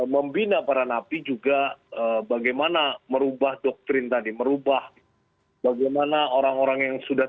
membina para napi juga bagaimana merubah doktrin tadi merubah bagaimana orang orang yang sudah